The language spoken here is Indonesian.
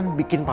terima kasih pak